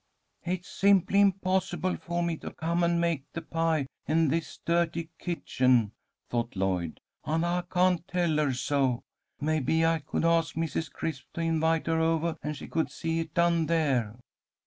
"It's simply impossible for me to come and make the pie in this dirty kitchen," thought Lloyd, "and I can't tell her so. Maybe I could ask Mrs. Crisp to invite her ovah and she could see it done there."